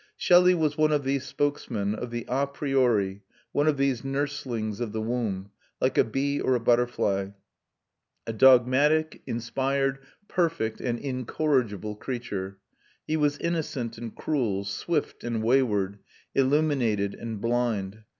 Shelley was one of these spokesmen of the a priori, one of these nurslings of the womb, like a bee or a butterfly; a dogmatic, inspired, perfect, and incorrigible creature. He was innocent and cruel, swift and wayward, illuminated and blind.